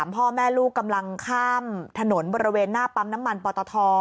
พ่อแม่ลูกกำลังข้ามถนนบริเวณหน้าปั๊มน้ำมันปอตท